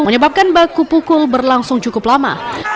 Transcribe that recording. menyebabkan baku pukul berlangsung cukup lama